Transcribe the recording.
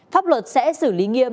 pháp luật sẽ xử lý nghiêm